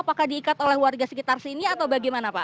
apakah diikat oleh warga sekitar sini atau bagaimana pak